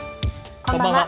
こんばんは。